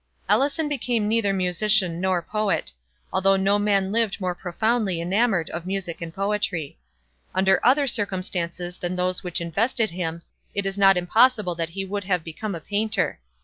Ellison became neither musician nor poet; although no man lived more profoundly enamored of music and poetry. Under other circumstances than those which invested him, it is not impossible that he would have become a painter.